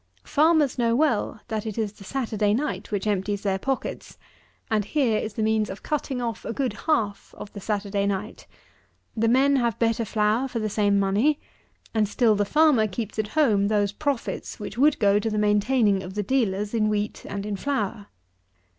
Farmers know well that it is the Saturday night which empties their pockets; and here is the means of cutting off a good half of the Saturday night. The men have better flour for the same money, and still the farmer keeps at home those profits which would go to the maintaining of the dealers in wheat and in flour.